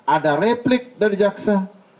ada replik dari jaksa